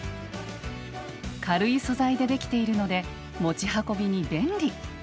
軽い素材でできているので持ち運びに便利！